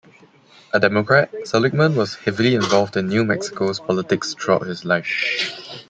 A Democrat, Seligman was heavily involved in New Mexico's politics throughout his life.